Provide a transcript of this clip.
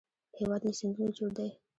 هېواد له سیندونو جوړ دی